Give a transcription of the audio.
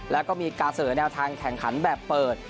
แล้วก็มีการเสนอแนวทางแข่งขันแบบเปิด